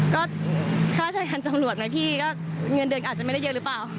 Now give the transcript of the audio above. ก็ค่าราชการตำรวจไหมพี่ก็เงินเดือนก็อาจจะไม่ได้เยอะหรือเปล่า